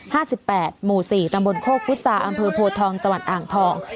หมู่๔นโค่นุศาอำเภวโพธงตอ่างทอง